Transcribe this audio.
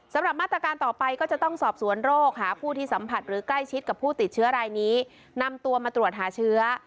สำหรับมาตรการต่อไปก็จะต้องสอบสวนโรคหาผู้ที่สัมผัสหรือใกล้ชิดกับผู้ติดเชื้อรายนี้นำตัวมาตรวจหาเชื้อ